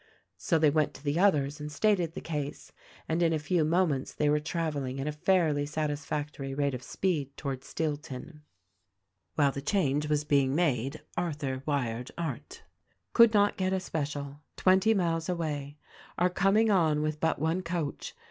So they went to the others and stated the case, and in a few moments they were traveling at a fairly satisfactory rate of speed towards Steelton. THE RECORDING ANGEL 229 While the change was being made Arthur wired Arndt : "Could not get a special. Twenty miles away. Are com ing on with but one coach.